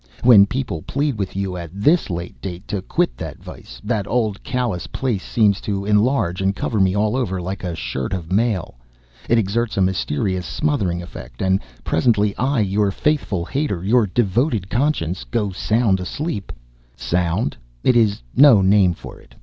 When people plead with you at this late day to quit that vice, that old callous place seems to enlarge and cover me all over like a shirt of mail. It exerts a mysterious, smothering effect; and presently I, your faithful hater, your devoted Conscience, go sound asleep! Sound? It is no name for it.